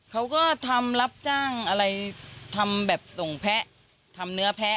เขาก็ทำรับจ้างอะไรทำแบบส่งแพะทำเนื้อแพะ